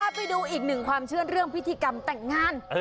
ไปดูอีกหนึ่งความเชื่อเรื่องพิธีกรรมแต่งงาน